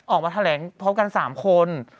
ออกมาแถลงพร้อมกัน๓คน